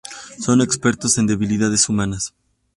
Son expertos en debilidades humanas.